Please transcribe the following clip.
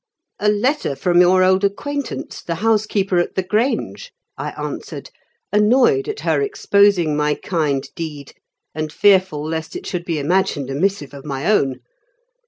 "A letter from your old acquaintance, the housekeeper at the Grange," I answered; annoyed at her exposing my kind deed, and fearful lest it should be imagined a missive of my own.